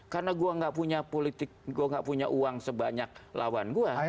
karena gua nggak punya uang sebanyak lawan gua